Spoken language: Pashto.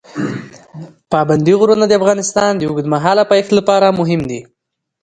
پابندي غرونه د افغانستان د اوږدمهاله پایښت لپاره مهم دي.